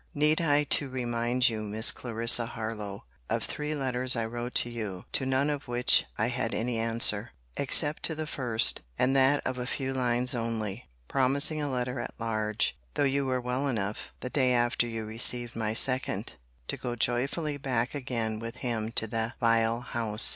] Need I to remind you, Miss Clarissa Harlowe, of three letters I wrote to you, to none of which I had any answer; except to the first, and that of a few lines only, promising a letter at large, though you were well enough, the day after you received my second, to go joyfully back again with him to the vile house?